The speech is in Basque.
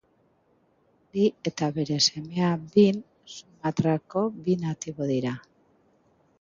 Ali eta bere semea Bin Sumatrako bi natibo dira.